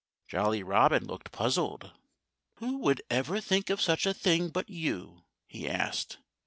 Jolly Robin looked puzzled. "Who would ever think of such a thing but you?" he asked.